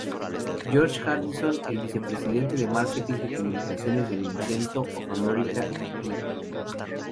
George Harrison, el vicepresidente de "marketing" y comunicaciones de Nintendo of America, Inc.